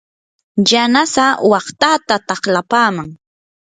yanasaa waqtataa taqlapaman.